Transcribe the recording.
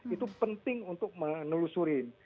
itu penting untuk menelusurin